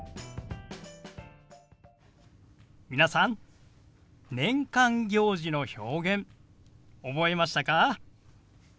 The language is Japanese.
皆さん年間行事の表現覚えましたか？